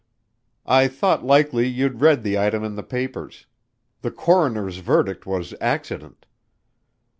"I thought likely you'd read the item in the papers. The coroner's verdict was accident."